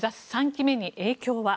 ３期目に影響は？